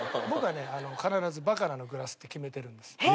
僕はね必ずバカラのグラスって決めてるんです。